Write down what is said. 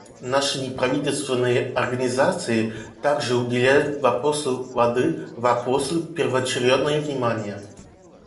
Наши неправительственные организации так же уделяют вопросу воды вопросу первоочередное внимание.